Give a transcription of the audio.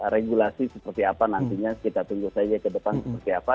regulasi seperti apa nantinya kita tunggu saja ke depan seperti apa